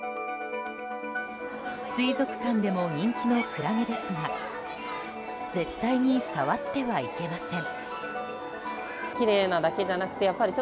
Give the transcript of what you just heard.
水族館でも人気のクラゲですが絶対に触ってはいけません。